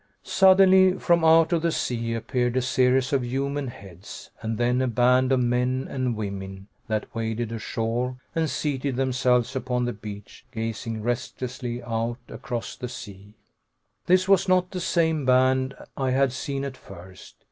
Suddenly, from out of the sea, appeared a series of human heads, and then a band of men and women that waded ashore and seated themselves upon the beach, gazing restlessly out across the sea. This was not the same band I had seen at first.